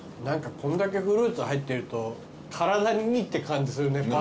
何かこんだけフルーツ入ってると体にいいって感じするね。